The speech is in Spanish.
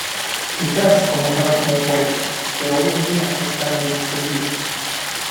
Quizás comenzaron como un juego, pero hoy en día están muy extendidos.